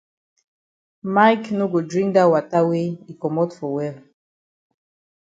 Mike no go drink dat wata wey yi komot for well.